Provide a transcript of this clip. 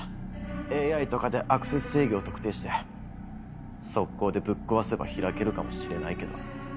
ＡＩとかでアクセス制御を特定して即行でぶっ壊せば開けるかもしれないけど。